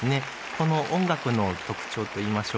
この音楽の特徴といいましょうか。